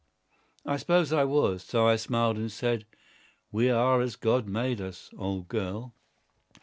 I suppose I was. So I smiled and said: "We are as God made us, old girl."